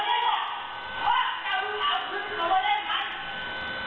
เจ้าเจ้านี่นะคุณค่อยมาก